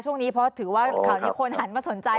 ช่วงนี้เพราะถือว่าข่าวนี้คนหันมาสนใจ